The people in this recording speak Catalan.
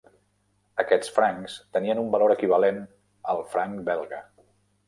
Aquests francs tenien un valor equivalent al franc belga.